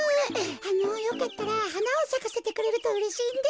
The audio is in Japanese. あのよかったらはなをさかせてくれるとうれしいんですけど。